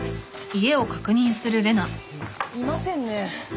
いませんね。